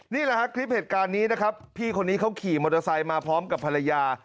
นี่แหละครับคลิปเหตุการณ์นี้นะครับพี่คนนี้เขาขี่มอเตอร์ไซค์มาพร้อมกับภรรยา